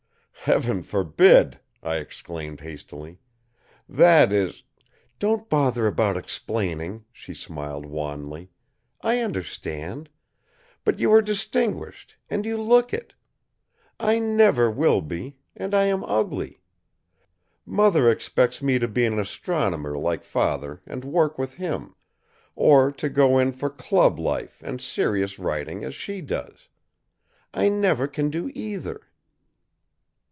"Heaven forbid!" I exclaimed hastily. "That is " "Don't bother about explaining," she smiled wanly, "I understand. But you are distinguished, and you look it. I never will be, and I am ugly. Mother expects me to be an astronomer like Father and work with him, or to go in for club life and serious writing as she does. I never can do either."